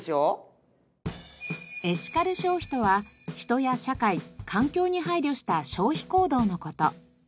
エシカル消費とは人や社会環境に配慮した消費行動の事。